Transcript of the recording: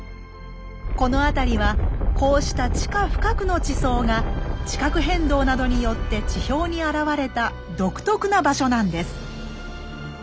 この辺りはこうした地下深くの地層が地殻変動などによって地表に現れた独特な場所なんです。